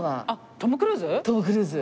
トム・クルーズ。